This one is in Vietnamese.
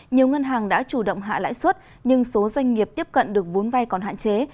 nhiều ngân hàng đã chủ động hạ lãi xuất nhưng số doanh nghiệp tiếp cận được bốn vai còn hạn chế